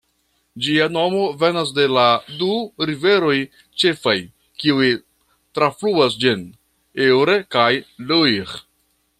Ĝia nomo venas de la du riveroj ĉefaj, kiuj trafluas ĝin: Eure kaj Loir.